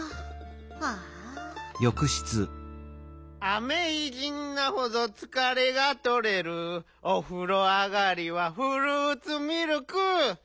「アメイジングなほど疲れがとれる」「お風呂あがりはフルーツミルク」